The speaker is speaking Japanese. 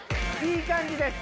いい感じです。